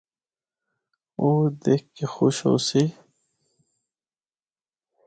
او اے دکھ کے خوش ہوسی۔